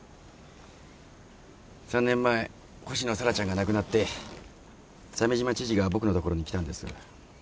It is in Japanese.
３年前星野沙羅ちゃんが亡くなって鮫島知事が僕の所に来たんです。